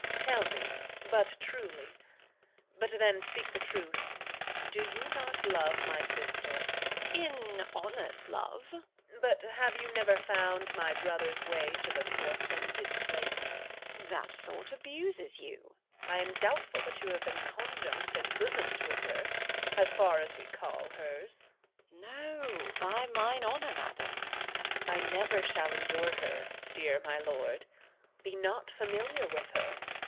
Tell me but truly but then speak the truth Do you not love my sister? Edm. In honour'd love. Reg. But have you never found my brother's way To the forfended place? Edm. That thought abuses you. Reg. I am doubtful that you have been conjunct And bosom'd with her, as far as we call hers. Edm. No, by mine honour, madam. Reg. I never shall endure her. Dear my lord, Be not familiar with her.